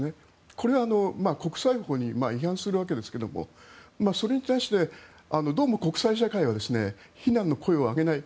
これは国際法に違反するわけですがそれに対してどうも国際社会は非難の声を上げない。